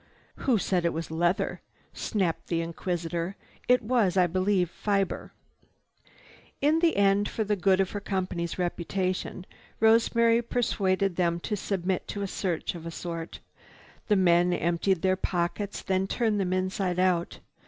"Who said it was leather?" snapped the inquisitor. "It was, I believe, fiber." In the end, for the good of her company's reputation, Rosemary persuaded them to submit to a search of a sort. The men emptied their pockets, then turned them inside out.